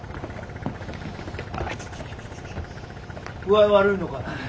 具合悪いのかい？